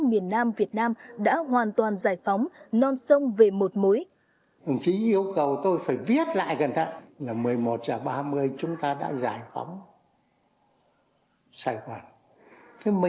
miền nam việt nam đã hoàn toàn giải phóng non sông về một mối